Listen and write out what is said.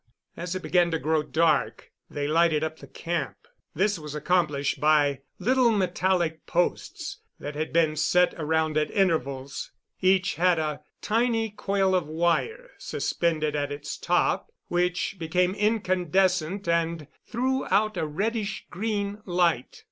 As it began to grow dark, they lighted up the camp. This was accomplished by little metallic posts that had been set around at intervals. Each had a tiny coil of wire suspended at its top, which became incandescent and threw out a reddish green light.